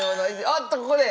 あっとここで！